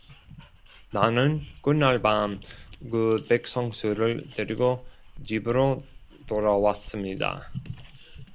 나는 그날 밤 그 백성수를 데리고 집으로 돌아왔습니다.